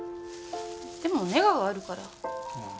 でもネガがあるから。